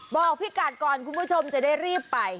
บอกพี่กัดก่อนคุณผู้ชมจะได้รีบไป